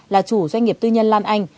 là chủ doanh nghiệp tư nhân lan anh